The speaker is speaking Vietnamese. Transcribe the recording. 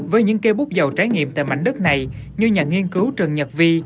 với những cây bút giàu trải nghiệm tại mảnh đất này như nhà nghiên cứu trần nhật vi